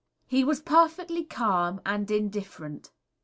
He was perfectly calm, almost indifferent.